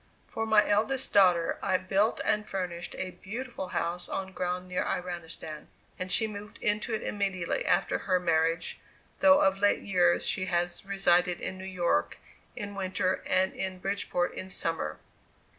For my eldest daughter I built and furnished a beautiful house on ground near Iranistan, and she moved into it immediately after her marriage, though of late years she has resided in New York in winter and in Bridgeport in summer.